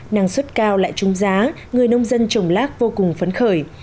năng suất cao lại trung giá người nông dân trồng lác vô cùng phấn khởi